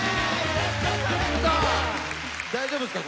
大丈夫ですか？